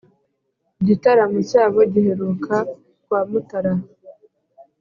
igitaramo cyabo giheruka kwa mutara